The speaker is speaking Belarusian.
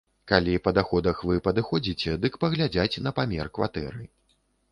Калі па даходах вы падыходзіце, дык паглядзяць на памер кватэры.